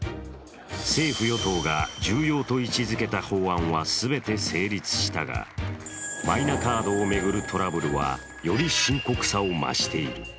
政府・与党が重要と位置づけた法案は全て成立したがマイナカードを巡るトラブルはより深刻さを増している。